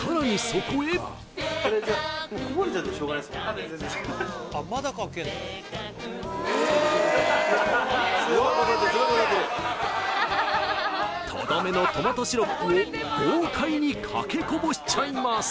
そこへとどめのトマトシロップを豪快にかけこぼしちゃいます